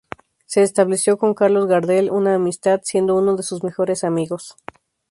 Se estableció con Carlos Gardel una amistad, siendo uno de sus mejores amigos.